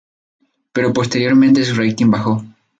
Pero posteriormente su rating bajó.